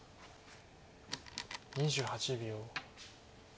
２８秒。